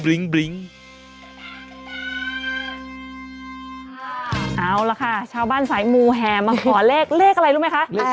เอาล่ะค่ะชาวบ้านสายมูแห่มาขอเลขเลขอะไรรู้ไหมคะ